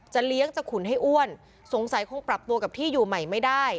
เลี้ยงจะขุนให้อ้วนสงสัยคงปรับตัวกับที่อยู่ใหม่ไม่ได้